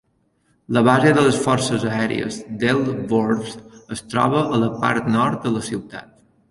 La Base de les Forces Aèries d'Ellsworth es troba a la part nord de la ciutat.